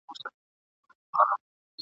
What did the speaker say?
ورک یم له شهبازه ترانې را پسي مه ګوره ..